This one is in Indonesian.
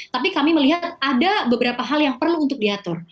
tapi kami melihat ada beberapa hal yang perlu untuk diatur